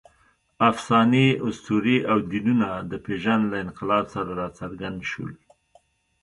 افسانې، اسطورې او دینونه د پېژند له انقلاب سره راڅرګند شول.